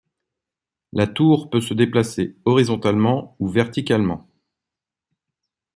La tour peut se déplacer horizontalement ou verticalement.